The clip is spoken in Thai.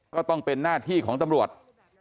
ก็ต้องเป็นหน้าที่ของตำรวจ